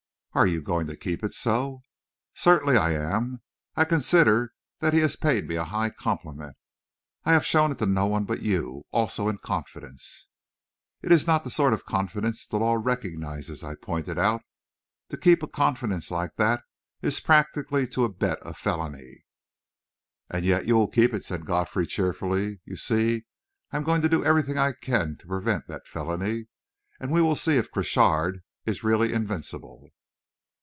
"And you're going to keep it so?" "Certainly I am; I consider that he has paid me a high compliment. I have shown it to no one but you also in confidence." "It is not the sort of confidence the law recognises," I pointed out. "To keep a confidence like that is practically to abet a felony." "And yet you will keep it," said Godfrey cheerfully. "You see, I am going to do everything I can to prevent that felony. And we will see if Crochard is really invincible!"